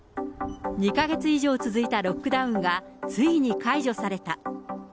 ２か月以上続いたロックダウンがついに解除された。